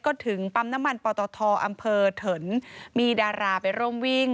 ก็ถึงปั๊มน้ำมันปตทอำเภอเถินมีดาราไปร่วมวิ่ง